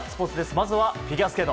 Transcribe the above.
まずはフィギュアスケート。